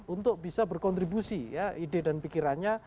untuk bisa berkontribusi ya ide dan pikirannya